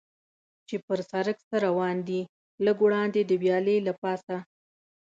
چې پر سړک څه روان دي، لږ وړاندې د ویالې له پاسه.